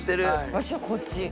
わしはこっち。